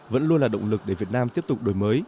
vẫn luôn là động lực để việt nam tiếp tục đổi mới